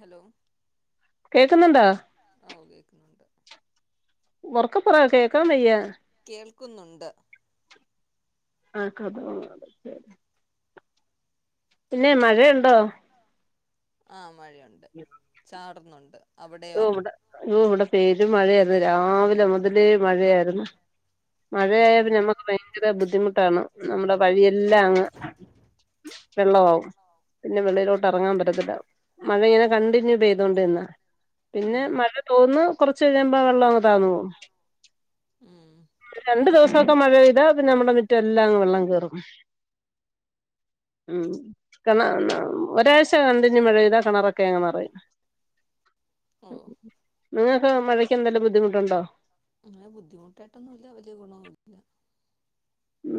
Hello കേക്കുന്നുണ്ടോ കേക്കുന്നുണ്ടോ ആ കേക്കുന്നുണ്ട് ഉറക്ക പ്പറയ് കേക്കാൻവയ്യ കേൾക്കുന്നുണ്ട് ആ കഥകൊന്ന് അടക്കോ പിന്നെ മഴയുണ്ടോ ആ മഴയുണ്ട് [unintelligible] ന്നുണ്ട് ഓ അവിടെയോ ഇവിടെ ഓ ഇവിടെ പെരു മഴയായിരുന്നു രാവിലെ മുതലേ മഴയായിരുന്നു ഓ മഴയായപ്പിനെ നമ്മുക്ക് ഭയങ്കര ബുദ്ധിമുട്ടാണ് നമ്മുടെ വഴിയെല്ലാം അങ്ങ് വെള്ള അവും പിന്നെ വെള്ളിയിലോട്ട് ഇറങ്ങാൻ പറ്റത്തില്ല മഴ ഇങ്ങനെ കണ്ടിന്യൂ പെയ്തൊണ്ട് നിന്നാ പിന്നെ ഉം മഴ തോർന്ന് കുറച്ച കഴിയുമ്പോ ആ വെള്ളം അങ്ങ് താന്നു പോകും ഉം രണ്ടു ദിവസം ഇപ്പൊക്കെ മഴെപെയ്താ പിന്നെ നമ്മടെ മിറ്റ എല്ലാംങ്ങ് വെള്ളം കേറുംമൂ കെനാ എന്ന ഒരാഴ്ച കണ്ടിന്യു മഴെപെയ്താ കിണറൊക്കെ അങ്ങ് നിറയും ഓ നിങ്ങക്ക് മഴക്ക് എന്തെല്ലും ബുദ്ധിമുട്ടുണ്ടോ അങ്ങനെ ബുദ്ധിമുട്ടായിട്ടൊന്നും ഇല്ല വലിയ ഗുണോ ഇല്ല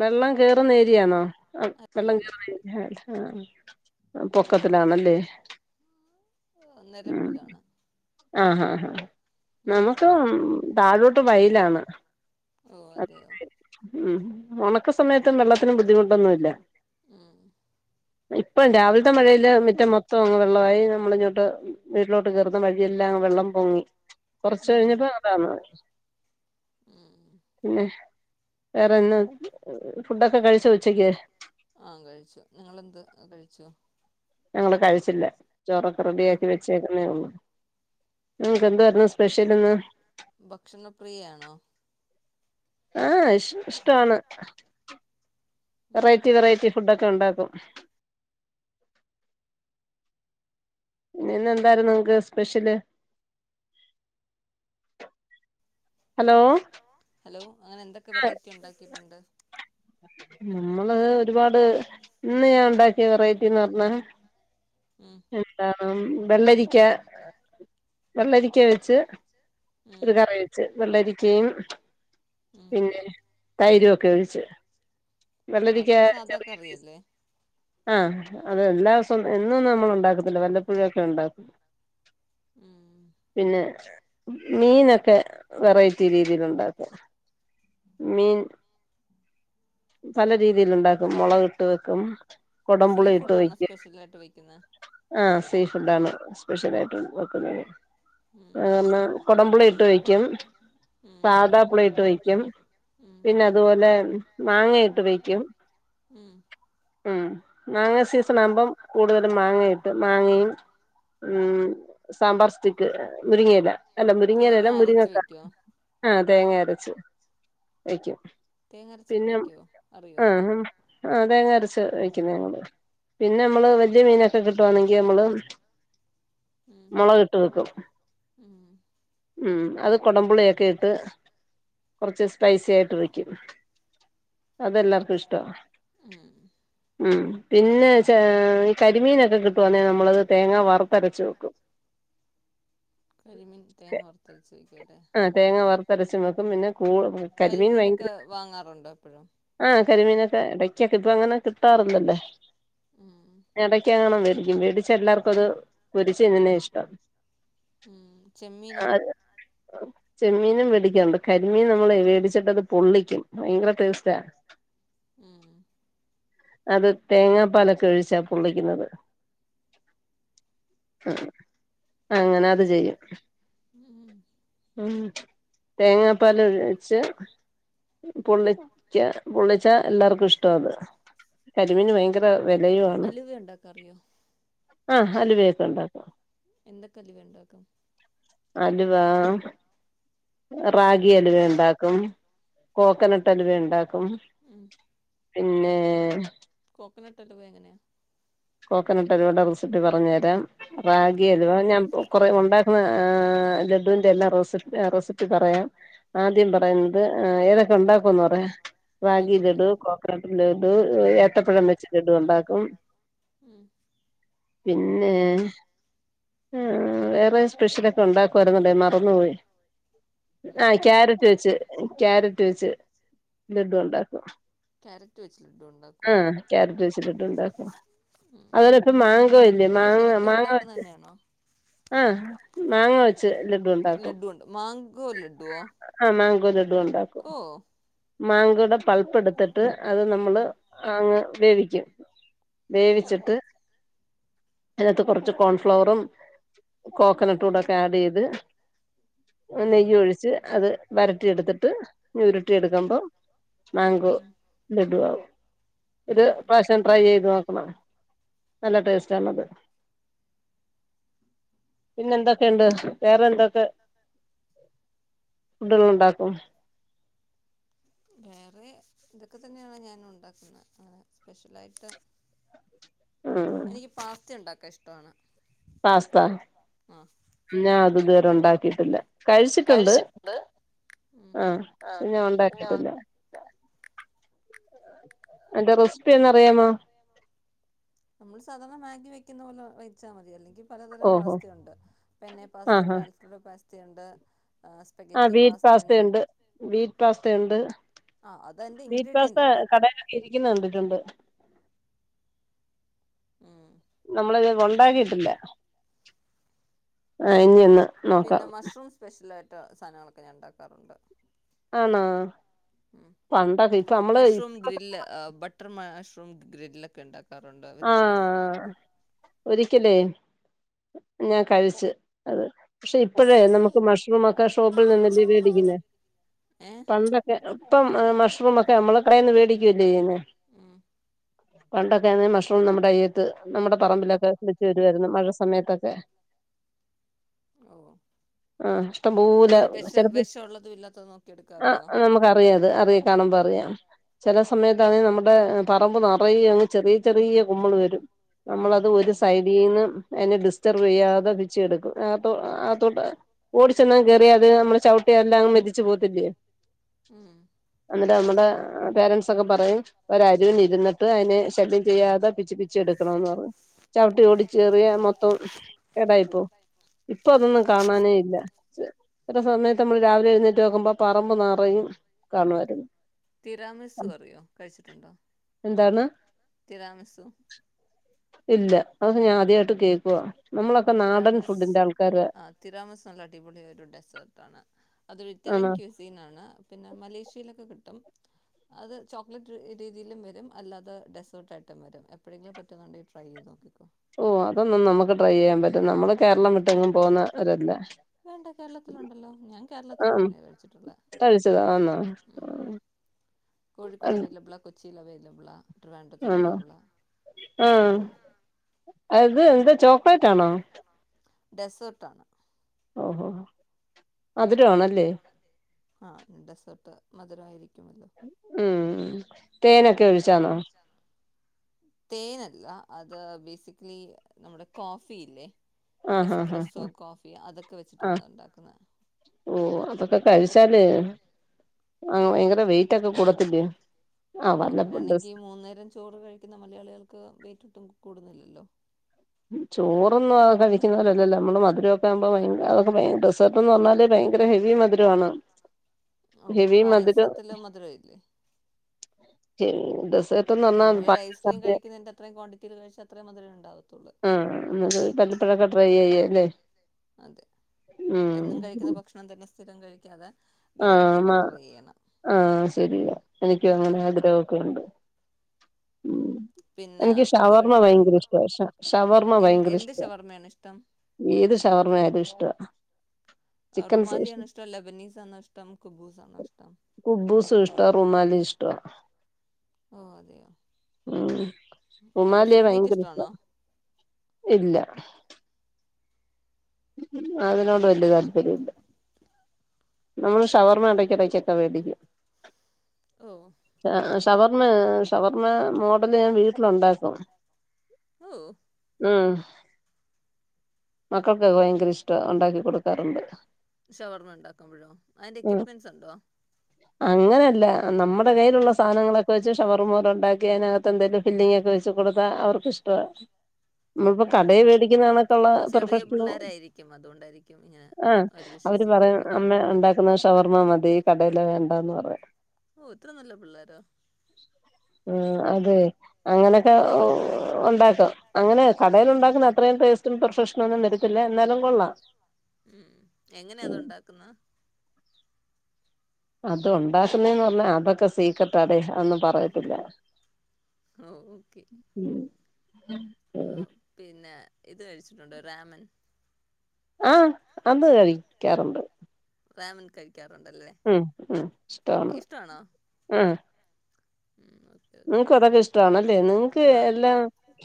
വെള്ളം കേറുന്ന ഏരിയ ആണോ ആ വെള്ളം അല്ലല്ല കേറുന്ന ഏരിയ ആല്ലാ ആ അപ്പൊ പോക്കത്തിലാണല്ലേ ഉ നിരപ്പിലാണ് ആ ഹാ ഹാ ഉം നമുക്ക് താഴോട്ട് വയ്ലാണ് ഓ അതെയോ ഉം ഉണക്ക് സമയത്ത് ഇപ്പം വെള്ളത്തിനു ബുദ്ധിമുട്ടൊന്നു ഇല്ല ഉം ഇപ്പം രാവിലത്തെ മഴയില് മിറ്റം മൊത്തം അങ്ങ് വെള്ളമായി നമ്മള ഇങ്ങോട്ട് വീട്ടിലോട്ട് കേറുന്ന വഴി [unintelligible] എല്ലാം വെള്ളം പൊങ്ങി കൊറച്ച് ഉം കഴിഞ്ഞപോ അതാന്ന ഉം പിന്നെ വേറെന്ന ആ കഴിച്ചു നിങ്ങളെന്ത് കഴിച്ചു ഞങൾ കഴിച്ചില്ല ചോറൊക്കെ റെഡിയ ഉം ആക്കി വെച്ചേക്കുന്നേ ഉള്ളു ഉം എന്താരുന്ന സ് ഭക്ഷണപ്രിയയാണോ ആ ഇഷ് ഇഷ്ടാണ് ഉം വെറൈറ്റി വെറൈറ്റി ഫുഡ ഒക്കെ ഉണ്ടാക്കും ഇന്നെന്താർന്നു നിങ്ങക്ക് സ്പെഷ്യല് ഹലോ ഹലോ അങ്ങനെ എന്തൊക്കെ വെറൈറ്റി ഉണ്ടാക്കിയിട്ടുണ്ട് നമ്മള് ഒരുപാട് ഇന്ന് ഞാൻ ഉണ്ടാക്കിയ വെറൈറ്റിന്ന് പറഞ്ഞ ഉം [unintelligible] ഉം വെള്ളരിക്ക വെള്ളരിക്ക വെച്ച് ഉം ഒരു കറിവച്ച് വെള്ളരിക്കയും ഉം പിന്നേ തൈര് ഒക്കെ ഒഴിച്ച്. വെള്ളരിക്കാ അത് സാധാ ചെറിയ പീസ് കറിയല്ലേ ആഹ് അത് എല്ലാസൊമ് എന്നൊന്നും നമ്മള് ഉണ്ടാക്കത്തില്ല വല്ലപ്പൊഴൊക്കെ ഉണ്ടാക്കൂ. ഉം പിന്നെ മീനൊക്കെ വെറൈറ്റി രീതിയിലുണ്ടാക്കും. മീൻ പല രീതിയിലുണ്ടാക്കും മുളക് ഇട്ട് വെക്കും സീ കൊടംപുളി ഇട്ട് ഫുഡാണോ വെക്കും സ്പെഷ്യലായിട്ട് വെക്ക്ന്നേ ആഹ് സീഫുഡാണ് സ് പെഷ്യലായിട്ട് വെക്കുന്നെയ്ന് ഉം ആഹ് ന്നാ കൊടമ്പുളി ഇട്ട് വെ ക്ക്യും ഉം സാദാ പുളിയിട്ട് വയ്ക്കും ഉം പിന്നെ അതുപോലെ മാങ്ങ ഇട്ട് വെയ്ക്കും ഉം ഉം മാങ്ങ സീസണാവുമ്പോം കൂടുതൽ ഇത് മാങ്ങയിട്ട് മാങ്ങയും ഉം സാമ്പാർ സ്റ്റിക്ക് മുരിങ്ങയില അല്ല തേങ്ങ മുരിങ്ങയിലല്ല അരച്ച് മുരിങ്ങക്കാ വെക്കുവോ ആ തേങ്ങയരച്ച് വയ്ക്കും തേങ്ങരച്ചൊക്കെ വെക്കോ അറിയോ ആ തേങ്ങരച്ച് വയ്ക്കുന്ന ഞങ്ങള് പിന്നെമ്മള് വെ പുതിയ മീനൊക്കെ കിട്ടുവാണെങ്കി ഞമ്മള് ഉം മൊളക് ട്ട് വെക്കും ഉം ഉം അത് കൊടമ്പുളിയൊക്കെ ഇട്ട് കുറച്ച് സ്പൈസി ആയിട്ട് വെക്കും. അതെല്ലാവർക്കും ഇഷ്ടാ ഉം ഉം പിന്നേ ചായ് കരിമീനൊക്കെ കിട്ടുവാന്നെ നമ്മളത് തേങ്ങാ വറുത്തരച്ചു വെക്കും കരിമീൻ തേങ്ങാ വറുത്തരച്ചു വെക്കോ ആഹ് തേങ്ങ വർത്തരച്ചും വെക്കും. പിന്നെ കൂ കരിമീൻ ഭയങ്കര കരിമീനൊക്കെ ട്ടേ വാങ്ങാറുണ്ടോ എപ്പഴും ആഹ് കരിമീനൊക്കെ ഇടക്ക് ഇപ്പ അങ്ങനെ കിട്ടാറില്ലല്ലോ ഉം ഇടക്കെങ്ങാണും വരും വേടിച്ചാ എല്ലാവർക്കുവത് പൊരിച്ച് തിന്ന്ണയാ ഇഷ്ടം ഉം ചെമ്മീനോ ആ ചെമ്മീനും വെടിക്കാറ്ണ്ട്. കരിമീൻ നമ്മള് വേടിച്ചിട്ടത് പൊള്ളിക്കും. ഭയങ്കര ടേസ്റ്റാ ഉം അത് തേങ്ങാപ്പാലൊക്കെ ഒഴിച്ചാ പൊള്ളിക്ക്ന്നത് ആഹ് അങ്ങനെ അത് ചെയ്യും ഉം ഉം തേങ്ങാപ്പാലൊയിച്ച് പൊള്ളിക്കാ പൊള്ളി ച്ചാ എല്ലർക്കു ഇഷ്ട്ടാത് കരിമീന് ഭയ ക്റ് അലുവ ഉണ്ടാക്ക അറിയോ? ങഹ ഹലുവയൊക്കെ ഉണ്ടാക്കും എന്തൊക്കെ അലുവ ഉണ്ടാക്കും? അൽവാ റാഗി അലവ ഉണ്ടാക്കും കോക്കനട്ട് അലവ ഉണ്ടാകട പ്പം. ഉം പിന്നെ ക്കനട്ട് അൽവ എങ്ങനെയാ? കോക്കനട്ട് അലുവയുടെ റെസിപ്പി പറഞ്ഞു തരാം. ഉം റാഗിയ അലുവ ഞാൻ കൊറ ഉണ്ടാക്കുന്ന ങആ ലഡുവിന്റെ എല്ലാം റെസി റെസിപ്പി പറയാം ആദ്യം പറയുന്നത് ങേ ഏതൊക്കെ ഉണ്ടാ ക്കുന്ന് പറയാ റാഗി ആയിക്കോട്ടെ ലഡു, കോക്കനട്ട് ലഡു, ഉം ഏത്തപ്പഴം വെച്ച് ലഡു ഉണ്ടാക്കും. ഉം പിന്നെ ഉം വേറെ? സ്പെഷ്യലൊക്കെ ഉണ്ടാക്കുവായിരുന്നുടെ മറന്നുപോയി, ആ ഉം ക്യാരറ്റ് വെച്ച് കാരറ്റ് വെച്ച് ലഡു ഉണ്ടാക്കും ക്യാരറ്റ് വെച്ച് ലഡ്ഡു ഉണ്ടാക്കോ ആഹ ക്യാരറ്റ് വെച്ച് ലഡു ഉണ്ടാക്കും. ഉം അതല ഇപ്പ മാഗോ ഇല്ലേ ഇതൊക്കെ മാങ്ങ ശരിക്കും മാങ്ങാ ഉണ്ടാക്കുന്ന വെച്ച് തന്നെയാണോ ആ മാങ്ങ വെച്ച് ലഡു ഉണ്ടാക്കും ലഡ്ഡു ഉണ്ട് മാങ്കോ ലഡ്ഡുവോ ആ മാഗോ ലഡു ഉണ്ടാക്കും ഓ മാഗോടെ പൾപ്പ് എടുത്തിട്ട് അത് നമ്മള് ഉം അങ്ങ് വേവിക്കും ഉം വേവിച്ചിട്ട് അതിനത്ത് കുറച്ച് കോൺഫ്ലവറും കോക്കനട്ട് ഉം കൂടൊക്കെ ആഡ് ചെയ്ത് ഉം നെയ്യ് ഒഴിച്ച് അത് വരട്ടി എടുത്തിട്ട് ഉ രുട്ടി ഉം എടുക്കുമ്പോ മാങ്കോ ലഡു ആവും ഒരു ഉം പ്രാശം ട്രൈ ചെയ്ത് നോക്കണം നല്ല ടെസ് റ്റാണത് പിന്നെ എന്തൊക്കെഒണ്ട് വേറെ എന്തൊക്കെ ഫുഡുകലൊണ്ട ക്കും വേറെ ഇതൊക്കെ തന്നെയാണ് ഞാൻ ഉണ്ടാക്കുന്നത് അ സ്പെഷ്യലായിട്ട് ഉം എനിക്ക് പാസ്ത ഉണ്ടാക്ക കഷ്ടാണ് പാസ്ത ഞാ അത് ത് ത് ഉണ്ടാക്കിയിട്ടില്ല കഴിച്ചിട്ടുണ്ട് ഉം ആ ക്ഷേ ഞാൻ ഉണ്ടാക്കിട്ടില്ല എന്റെ റെസിപ്പി എന്ന അറിയാമോ നമ്മള് സാധാരണ മാഗി വെക്കുന്ന പോലെ വെച്ചാൽ മതി അല്ലെങ്കിൽ പലതരം ഓഹോ പാസ്തയ ഉണ്ട് പന്നെ പാസ്തയുണ്ട് ആൽഫ്രഡ പാസ്ത് ത്തിണ്ട് ആ് ബീറ്റ് പാസ്തയുണ്ട് ബീറ്റ് പാസ്ത ഉണ്ട് ആ അതതിൻ്റെ ബീറ്റ് ഇൻഗ്രീഡിയൻ്റ് പാസ്ത ആണ് കടയിലൊക്കെ ഇരിക്കുന്നുണ്ടിട്ടുണ്ട് ഉം നമ്മളത് കോൻ ഉണ്ടാക്കിട്ടില്ല ആ ഞ്ഞി ഒന്ന് നോക്കാം പിന്നെ മഷ്റൂം സ്പെഷ്യൽ സാധനങ്ങളൊക്കെ ഞാൻ ഇണ്ടാക്കാറുണ്ട് ആണാ പണ്ടൊക്കെ ഇപ്പൊ നമ്മള് ഇപ്പ ട്രൂമ മാഷ്റൂം ഗ്രില്ല്ക്കെ ഉണ്ടാക്കോ ആ ഒരി [unintelligible] ഞാൻ കഴിച്ച് അത് പക്ഷെ ഇപ്പോഴേ നമുക്ക് മഷ്റൂമ ഒക്കെ ഷോപ്പിൽ നിന്ന് [unintelligible] വെടിക്കിന്നെ ഏ പണ്ടൊക്കെ ഇപ്പം മഷ്റൂമൊക്കെ നമ്മള് കടയന്ന് വേടിക്കല്ലേ യ്യന്നേ [inaudible] പണ്ടൊക്കെന് മഷ് നമ്മുടെ അയ്യത്ത് നമ്മുടെ പറമ്പിലൊക്കെ വെച്ചു വരുവായിരുന്നു മഴ സമയത്തൊക്കെ ഓ ആ ഇഷ്ടംപൂല അത് വിഷ ചെലപ്പ വിഷമുള്ളതും ഇല്ലാത്തതും നോക്കി എടുക്കാൻ ആ അറിയോ നമുക്ക് അറിയാത് അറിയാം കാണുമ്പോ അറിയാം ചല സമയത്താനേൽ നമ്മുടെ പറമ്പ് നറയ അങ്ങ് ചെറിയ ചെറിയ [unintelligible] വരും നമ്മളത് ഒരു ഉം സൈഡീന്ന് അതിനെ ഡിസ്റ്റർബ് ചെയ്യാതെ പിച്ചിടുക്കും ആ ആ തോട്ടം ഓടിച്ച ന്നാ കയറിയ അത് നമ്മെ ചവിട്ടിയ എല്ലാം മെതിച്ചു പോവത്തില്ലേ ഉം [unintelligible] [unintelligible] പേരൻസ്സൊക്കെ പറയും ഒരരുവിൽ ഇരുന്നിട്ട് അതിനെ ശല്യം ചെയ്യാതെ പിച്ചി പിച്ചി എടുക്കണംന്ന് പറയും ചവിട്ടി ഓടിച്ചേറിയ മൊത്തം കേടായി പോ ഇപ്പൊ അതൊന്നും കാണാനേ ഇല്ല ഇത്ര സമയത്ത് നമ്മൾ രാവിലെ എഴുന്നേറ്റ് നോക്കുമ്പോ പറമ്പ് നാറയും കാണുമായിരുന്നു തിരാമിസ് റിയോ കഴിച്ചിട്ടുണ്ടോ എന്താണ് തിരാ സു ഇല്ല അത് [unintelligible] തിരാമസ് ആ തിരാമസ് നല്ല അടിപൊളി ഒരു ഡെസേർട്ടാണ് അതൊരു ഇറ്റാലിയൻ ആണോ ക്യൂസീൻ ആണ്, പിന്നെ മലേഷ്യയിലൊക്കെ കിട് ഉം, അത് ചോക്ലേറ്റ് രീതിയിലും വെരും അല്ലാതെ ഡെസേർട്ടായിട്ടും വെരും. എപ്പഴെങ്കിലും പറ്റുന്നുണ്ടെങ്കി ട്രൈ ചെയ്ത് നോക്കിക്കോ. ഓ അതൊന്നും നമ്മക്ക് ട്രൈ ചെയ്യാൻ പറ്റോ, നമ്മള് കേരളം വിട്ടെങ്ങും പോവുന്ന ഒരല്ല വേണ്ട കേരളത്തിലുണ്ടല്ലോ, ഞാൻ കേരളത്തീന്ന് ആഹ് തന്നെയാ കഴിച്ചിട്ടുള്ളെ, കഴിച്ചതാ ആന്നോ ഉം, കോഴിക്കോട് അവൈലബിളാ കൊച്ചീലവൈൽ ലബിളാ ആണോ? ഇത് ചോക്ലേറ്റാണോ? ഡെസേർട്ടാണ് ഓഹോ മധുരമാണല്ലേ മധുരാണ് അല്ലേ? ആഹ് ഡെസേർട്ട് മധുരായിരി ഉം തേനൊക്കെ ഒഴിച്ചാന്നോ തേനല്ല അത് ബേസിക്കലി നമ്മുടെ കോഫിയില്ലേ? ആഹ് ആഹ് ആഹ് എസ്പ്രെസ്സോ കോഫി അതൊക്കെ വെച്ചിട്ടാണ് ആഹ് അതുണ്ടാക്കുന്നെ ഓ അതൊക്കെ കഴിച്ചാലേ ആ വയങ്കര വെയിറ്റൊക്കെ കൂടത്തില്ലേ? ആ ഓ വല്ലപ്പ അങ്ങനെയാണെങ്കി മൂന്ന് നേരം ചോറ് കഴിക്ക്ന്ന മലയാളികൾക്ക് വെയിറ്റിട്ടും കൂടുന്നില്ലല്ലോ ചോറൊന്നും ആ കഴിക്കുന്ന പോലല്ലല്ലോ. നമ്മള് മധുരൊക്കെ ആവുമ്പോ ഭയങ്ക അതൊക്കെ ഭയ ഡെസർട്ടെന്ന് പറഞ്ഞാലേ ഭയങ്കര ഹെവി മധുരവാണ്. ഓ അപ്പം പായസത്തില് മധുരം ഇല്ലേ ഏ ഡെസ് നമ്മളൊരു ഐസ്ക്രീം കഴിക്കുന്നതിന്റെ അത്രയും ക്വാണ്ടിറ്റീല് കഴിച്ച അത്രേം മധുരേ ഉണ്ടാവത്തുള്ളൂ ആ എന്നത് വല്ലപ്പൊഴൊക്കെ ട്രൈ ചെയ്യാ അല്ലേ? അതെ ഉം എന്നും കഴിക്കുന്ന ഭക്ഷണം തന്നെ സ്ഥിരം കഴിക്കാതെ ആ വെറൈറ്റി ഒക്കെ ന്നാ ട്രൈ ചെയ്യണം ആ ശരിയാ. എനിക്കു അങ്ങനെ ഉം. ആഗ്രഹൊക്കെ ഉണ്ട് ഉം പിന്നെ എനിക്ക് ഇത് ഷവർമ്മ ഭയങ്കര കഴിച്ചിട്ടുണ്ട് ഇഷ്ടവാ ഷവ ഷവർമ്മ എ ഭയങ്കര എന്ത് ഇഷ്ടാ. ഷവർമ്മയാണ് ഇഷ്ടം ഏത് ഷവർമ്മ ആയാലും ഇഷ്ടവാ. ചിക്കൻ സ് ഷ റുമാലിയാണോ ഇഷ്ടം ലബനീസ് ആണോ ഇഷ്ടം കുബൂസ് ആണോ ഇഷ്ടം കുബ്ബൂസും ഇഷ്ടാ റുമാലിയും ഇഷ്ടാ. ഓ അതെയോ ഉം ഏതാ ഉമാലിയെ ഫുൾ മീറ്റ് ഭയങ്കര ഇഷ്ടാ. ഇഷ്ടമാണോ ഇല്ല- അതിനോട് വല്യ താല്പര്യമില്ല- നമ്മള് ഷവർമ എടക്കെടക്കക്കെ വേടിക്കും- ഓ- ഷവർമ ഷവർമ മോഡല് ഞാൻ വീട്ടിലൊണ്ടാക്കും- ഓ- ആഹ് - മക്കൾക്കൊക്കെ ഭയങ്കര ഇഷ്ട ഒണ്ടാക്കി കൊടുക്കാറുണ്ട്- ഷവർമ ഉണ്ടാക്കുമ്പോഴോ അതിന്റെ എക്യുപെൻസ് എന്തുവാ? അങ്ങനല്ല നമ്മൾ- കയ്യിലുള്ള സാധനങ്ങള് ഒക്കെവെച്ച് ഷവർമപോലെ ഒണ്ടാക്ക് ക്കിയതിനകത്ത് എന്തേലും ഫില്ലിങ് വെച്ച് കൊടുത്താ അവർക്ക് ഇഷ്ട്ടാ- നമ്മളിപ്പോ ഉം കടയിൽ വേടിക്കുന്ന കണക്കൊള്ള- ചെറിയ [unintelligible] പിള്ളേരായിരിക്കും അതുകൊണ്ടായിരിക്കും ഇങ്ങനെ ആ അവര് അവര്പറയും വിശ്വസിക്കുന്നത് അമ്മ ഒണ്ടാക്കുന്ന ഷവർമ്മ മത് ഈ കടയില് വേണ്ടാന്ന് പറയാം- ഓ ഇത്ര നല്ല പിള്ളേരോ ആ ഹ് അതെ അങ്ങനെയൊക്കെ ഒണ്ടാക്കും അങ്ങനെ കടേൽ ഒണ്ടാക്കുന്ന അത്രയും ടേസ്റ്റും പ്ർഫക്ഷ നും ഒന്നും വര്ത്തില്ല എന്നാലും കൊള്ളാം- ഉം എങ്ങനാ അത് ഉം ഉണ്ടാക്കുന്ന അത് ഒണ്ടാക്കുന്നേന്ന് പറഞ്ഞാ അതൊക്കെ സീക്രട്ടാടെ അതൊന്നും പറയത്തില്ല ഓ ഒക്കെ ഉം [unintelligible] ഇത് കഴിച്ചിട്ടുണ്ടോ രാമൺ ആഹ് അത് കഴിക്കാറുണ്ട് [unintelligible] മ്മ് മ്മ് ഓക്കെ ഇഷ്ടമാണ് ഇഷ്ടമാണോ മ് ഉം ഓക്കെ ഓക്കെ നിങ്ങക്ക് അതൊക്കെ ഇഷ്ട്ടാണല്ലേ നിങ്ങക്ക് ആഹ് എല്ലാം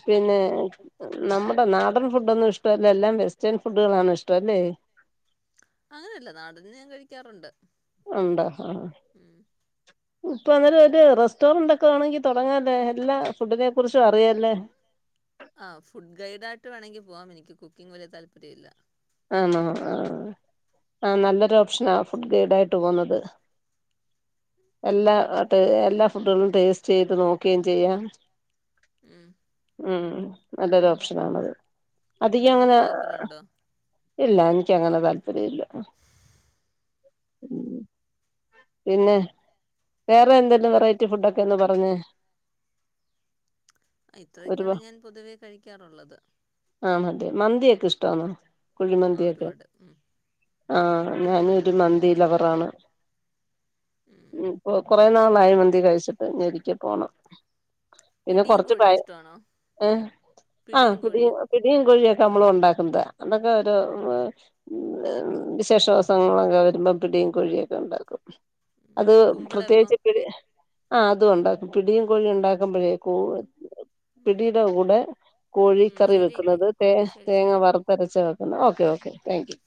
പിന്നെ നമ്മുടെ നാടൻ ഫുഡൊന്നും ഇഷ്ടല്ല എല്ലാം വെസ്റ്റേൺ ഫുഡുകളാണ് ഇഷ്ടല്ലേ? അങ്ങനെയല്ല നാടൻ ഞാൻ കഴിക്കാറുണ്ട് ഉണ്ടൊ ആ ഉം ഇപ്പൊ അന്നേരം ഒരു റസ്റ്റോറന്റ് ഒക്കെ വേണങ്കി തുടങ്ങാല്ലേ എല്ലാ ഫുഡിനെ കുറിച്ചും അറിയാലെ ആഹ് ഫുഡ് ഗൈഡായിട്ട് വേണമെങ്കിൽ പോവാം എനിക്ക് കുക്കിംഗ് വലിയ താല്പര്യമില്ല ആന്നോ ആ ആ നല്ലൊരു ഓപ്ഷനാ ഫുഡ്‌ ഗൈഡ് ആയിട്ട് പോവുന്നത് ഉം എല്ലാ [unintelligible] എല്ലാ ഫുഡുകളും ടേസ്റ്റ് ചെയ്ത് നോക്കുകയും ചെയ്യാം മ്മ് ഉം നല്ലൊരു ഓപ്ഷനാണത് അധിക നിങ്ങൾക്ക് അങ്ങനെ താല്പര്യമുണ്ടോ ഇല്ല എനിക്കങ്ങനെ താല്പര്യ ഇല്ല പിന്നെ വേറെ എന്തെലും വെറൈറ്റി ഫുഡൊക്കൊന്ന് പറഞ്ഞെ ഇത്രയൊക്കെയാണ് ഞാൻ പൊതുവേ കഴിക്കാറുള്ളത് ആണല്ലേ മന്തിയൊക്കെ ഇഷ്ടാന്നോ? ആ കുഴിമന്തി ഒക്കെ ഒരുപാട് ഉം ആഹ ഞാന് ഒരു മന്തി ലവറാണ് ഉം കുറേനാളായി മന്തി കഴിച്ചിട്ട് ഇനി ഒരിക്കെ പോണം പിന്നെ പിടിയും കൊറച്ച് പയ കോഴിയും ഇഷ്ടമാണോ ഏ ആ പിടിയും പിട കോഴിയും പിടിയും കോഴിയ നമ്മള് ഉണ്ടാക്കുന്നത് അത് [unintelligible] വിശേഷദിവസങ്ങളൊക്കെ വരുമ്പോ പിടിയും കോഴിയും ഒക്കെ ഉണ്ടാക്കും അത് കുമ്പളപ്പം പ്രത്യേകിച്ച് പിടി ആ അതും ഉണ്ടാക്കും പിടിയും കോഴിയും ഉണ്ടാക്കുമ്പഴേ കൂ പിടിയുടെ കൂടെ ഉം കോഴിക്കറി ശരിയെങ്കിൽ വെക്കുന്നത് തേ ശരി തേങ്ങ ശരി വറുത്തരച്ച വെ ഓക്കെ ഓക്കെ താങ്ക് യു